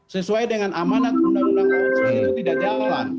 sesuai dengan amanat undang undang omnibus itu tidak jalan